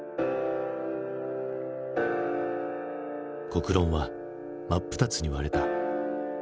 国論は真っ二つに割れた。